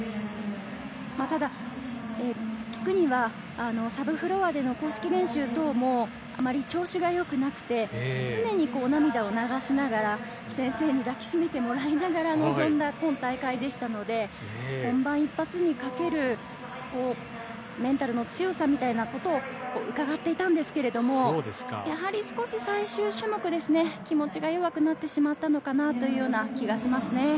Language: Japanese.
ただ、聞いたところではサブフロアでの公式練習もあまり調子が良くなくて、常に涙を流しながら先生に抱き締めてもらいながら臨んだ今大会でしたので、本番一発にかけるメンタルの強さみたいなことをうかがっていたんですけれども、やはり少し最終種目、気持ちが弱くなってしまったのかなという気がします。